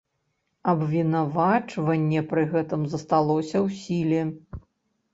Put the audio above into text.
Абвінавачанне пры гэтым засталося ў сіле.